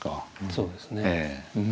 そうですね。